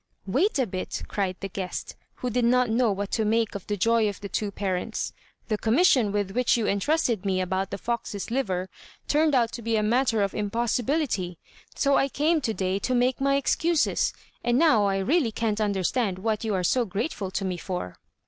"Wait a bit!" cried the guest, who did not know what to make of the joy of the two parents. "The commission with which you entrusted me about the fox's liver turned out to be a matter of impossibility, so I came to day to make my excuses; and now I really can't understand what you are so grateful to me for."